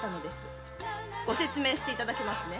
ご説明していただけますね？